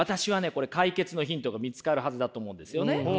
これ解決のヒントが見つかるはずだと思うんですよね。